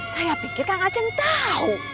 saya pikir kang aceng tahu